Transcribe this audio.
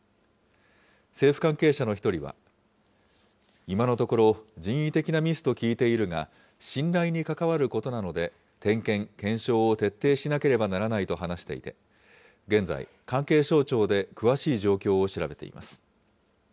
政府関係者の１人は、今のところ人為的なミスと聞いているが、信頼に関わることなので、点検・検証を徹底しなければならないと話していて、現在、関係省庁で詳しい状況を調べています。